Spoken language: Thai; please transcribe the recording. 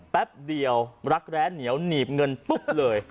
แป๊บเดียวรักแร้เหนียวหนีบเงินปุ๊บเลย